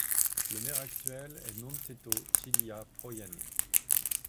Le maire actuel est Nontetho Cilia Phoyane.